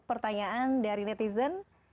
pertanyaan dari netizen